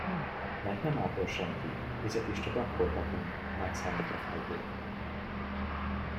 Mert nem ápol senki, vizet is csak akkor kapunk, ha megszánnak a felhők!